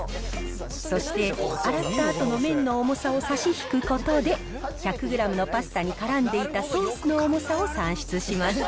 そして洗ったあとの麺の重さを差し引くことで、１００グラムのパスタにからんでいたソースの重さを算出します。